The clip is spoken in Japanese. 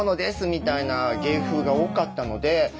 みたいな芸風が多かったので